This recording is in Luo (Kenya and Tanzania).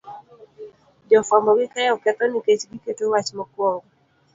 Jofuambo gi keyo ketho nikech giketo wach makwongo